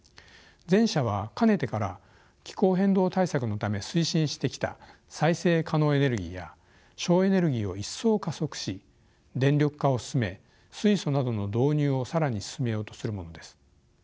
前者はかねてから気候変動対策のため推進してきた再生可能エネルギーや省エネルギーを一層加速し電力化を進め水素などの導入を更に進めようとするものです。